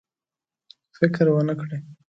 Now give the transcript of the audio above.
فکر ونه کړي.